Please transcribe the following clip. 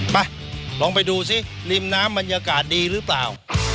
ไปลองไปดูสิริมน้ำบรรยากาศดีหรือเปล่า